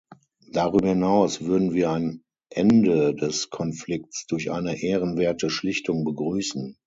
Darüber hinaus würden wir ein Ende des Konflikts durch eine ehrenwerte Schlichtung begrüßen.